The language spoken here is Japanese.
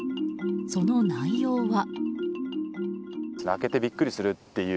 その内容は。